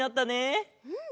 うん。